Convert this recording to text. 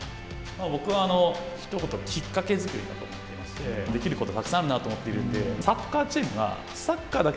僕は、ひと言で、きっかけ作りだと思っていまして、できることたくさんあるなと思っているので、サッカーチームは、サッカーだけ